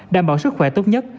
đảm bảo sức khỏe tốt nhất